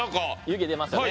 湯気出ますよね。